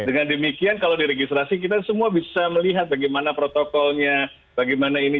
dengan demikian kalau diregistrasi kita semua bisa melihat bagaimana protokolnya bagaimana ini